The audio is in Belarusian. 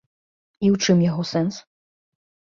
І ў чым яго сэнс?